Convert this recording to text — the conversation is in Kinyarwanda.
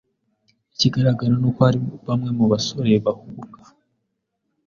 Ikigaragara ni uko hari bamwe mu basore bahubuka